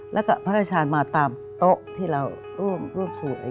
แล้วก็พระราชทานมาตามโต๊ะที่เราร่วมสวย